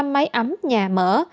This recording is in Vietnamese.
ba mươi năm máy ấm nhà mở